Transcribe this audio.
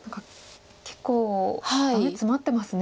結構ダメツマってますね。